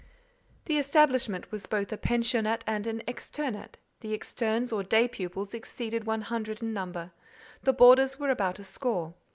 The establishment was both a pensionnat and an externat: the externes or day pupils exceeded one hundred in number; the boarders were about a score.